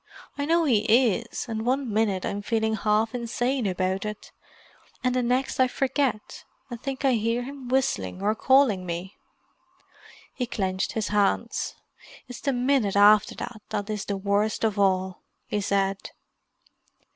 I know he is, and one minute I'm feeling half insane about it, and the next I forget, and think I hear him whistling or calling me." He clenched his hands. "It's the minute after that that is the worst of all," he said.